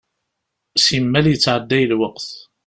Simmal yettɛedday lweqt.